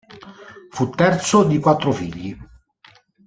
Fu terzo di quattro figli.